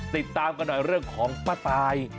ติดตามกันหน่อยเรื่องของป้าตาย